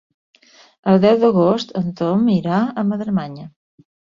El deu d'agost en Tom irà a Madremanya.